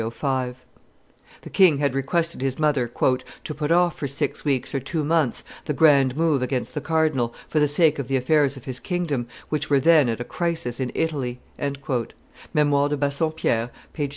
] The king had requested his mother "to put off for six weeks or two months the grand move against the cardinal, for the sake of the affairs of his kingdom, which were then at a crisis in Italy" [Memoires de Bassompierre, t.